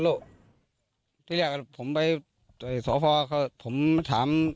ก็เลยกลับไปเอาปืนมายิงเพราะว่ามันเกินไปไหม